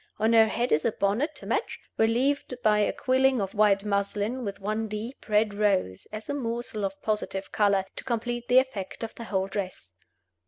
On her head is a bonnet to match, relieved by a quilling of white muslin with one deep red rose, as a morsel of positive color, to complete the effect of the whole dress.